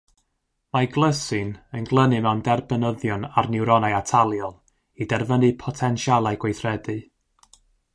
Mae glysin yn glynu mewn derbynyddion ar niwronau ataliol i derfynu potensialau gweithredu.